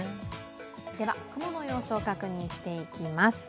では、雲の様子を確認していきます。